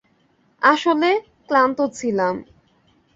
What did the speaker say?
আসলে, ক্লান্ত ছিলাম।